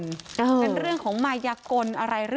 เป็นพระรูปนี้เหมือนเคี้ยวเหมือนกำลังทำปากขมิบท่องกระถาอะไรสักอย่าง